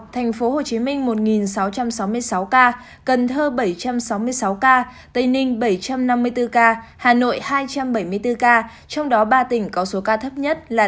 tp hcm một sáu trăm sáu mươi sáu ca cần thơ bảy trăm sáu mươi sáu ca tây ninh bảy trăm năm mươi bốn ca hà nội hai trăm bảy mươi bốn ca trong đó ba tỉnh có số ca thấp nhất là